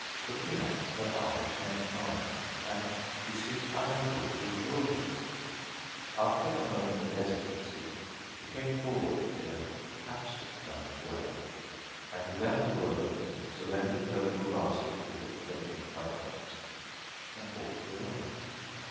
Looking up, her eyes met mine and she seemed unable to withdraw them. After a moment of hesitancy she came forward in an absent kind of way and without a word surrendered her little basket with its tempting contents and walked away.